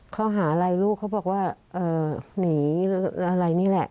เขาหาอะไรลูกเขาบอกว่าหนีอะไรนี่แหละ